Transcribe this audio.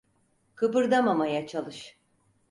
Kıpırdamamaya çalış.